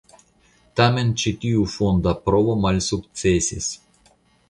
Tamen ĉi tiu fonda provo malsukcesis.